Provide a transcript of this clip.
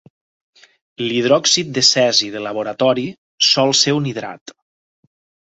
L'hidròxid de cesi de laboratori sol ser un hidrat.